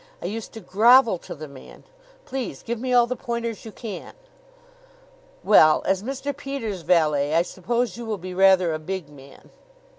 I used to grovel to the man. Please give me all the pointers you can." "Well, as Mr. Peters' valet, I suppose you will be rather a big man."